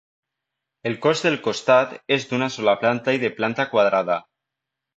El cos del costat, és d'una sola planta i de planta quadrada.